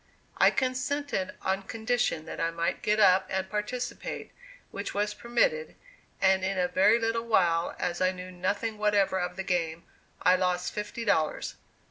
I consented on condition that I might get up and participate, which was permitted and in a very little while, as I knew nothing whatever of the game, I lost fifty dollars.